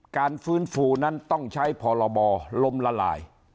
การฟื้นฟูนั้นต้องใช้พรบลมละลาย